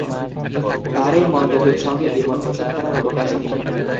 তাঁর এই মন্তব্যের সঙ্গে দ্বিমত পোষণ করার অবকাশ নেই।